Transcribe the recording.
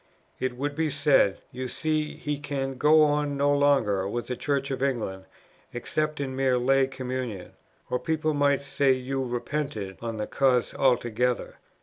It would be said, 'You see he can go on no longer with the Church of England, except in mere Lay Communion;' or people might say you repented of the cause altogether.